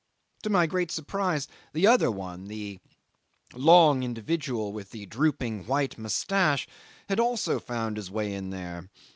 To my great surprise the other one, the long individual with drooping white moustache, had also found his way there.